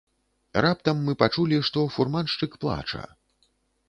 Раптам мы пачулі, што фурманшчык плача.